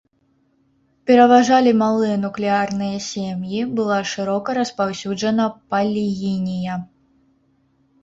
Пераважалі малыя нуклеарныя сем'і, была шырока распаўсюджана палігінія.